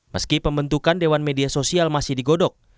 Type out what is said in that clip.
meski pembentukan dewan media sosial masih digodok